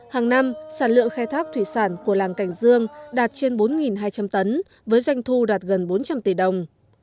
hàng năm sản lượng khai thác thủy sản của làng cảnh dương đạt trên bốn hai trăm linh tấn với doanh thu đạt gần bốn trăm linh tỷ đồng